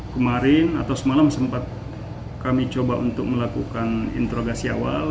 kemarin atau semalam sempat kami coba untuk melakukan interogasi awal